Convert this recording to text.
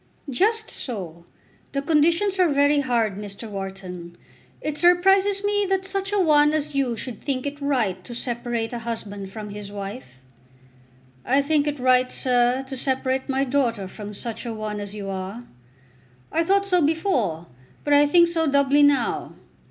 "Just so. The conditions are very hard, Mr. Wharton. It surprises me that such a one as you should think it right to separate a husband from his wife." "I think it right, sir, to separate my daughter from such a one as you are. I thought so before, but I think so doubly now.